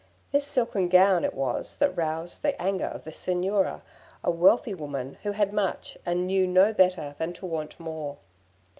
This silken gown it was that roused the anger of the Signora, a wealthy woman who had much, and knew no better than to want more.